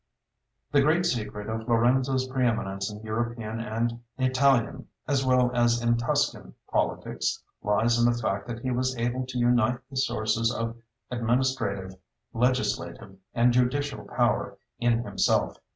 The great secret of Lorenzo's preëminence in European and Italian, as well as in Tuscan, politics lies in the fact that he was able to unite the sources of administrative, legislative, and judicial power in himself.